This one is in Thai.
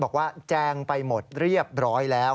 แจงไปหมดเรียบร้อยแล้ว